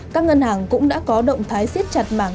các ngân hàng cũng đã có động thái siết chặt mảng